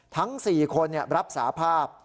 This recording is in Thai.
ทั้ง๔คนรับสาภาพ